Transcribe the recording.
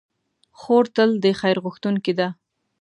خور تل د خیر غوښتونکې ده.